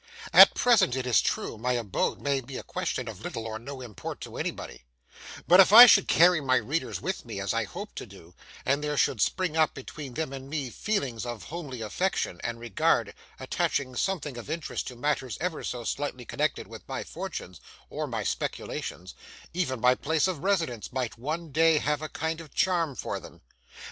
At present, it is true, my abode may be a question of little or no import to anybody; but if I should carry my readers with me, as I hope to do, and there should spring up between them and me feelings of homely affection and regard attaching something of interest to matters ever so slightly connected with my fortunes or my speculations, even my place of residence might one day have a kind of charm for them.